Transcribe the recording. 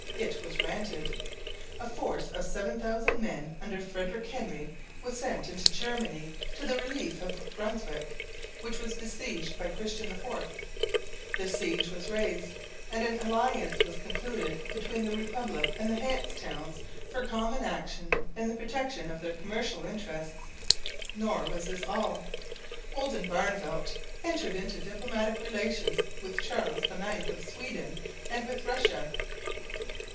It was granted. A force of 7000 men under Frederick Henry was sent into Germany to the relief of Brunswick, which was besieged by Christian IV. The siege was raised; and an alliance was concluded between the republic and the Hanse towns for common action in the protection of their commercial interests. Nor was this all. Oldenbarneveldt entered into diplomatic relations with Charles IX of Sweden and with Russia.